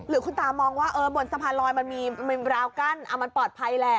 คุณตามองว่าบนสะพานลอยมันมีราวกั้นมันปลอดภัยแหละ